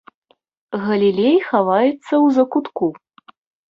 Галілей хаваецца ў закутку.